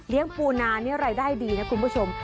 ปูนานี่รายได้ดีนะคุณผู้ชม